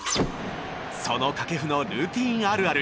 その掛布のルーティーンあるある。